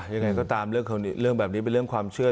ยังไงก็ตามเรื่องแบบนี้เป็นเรื่องความเชื่อ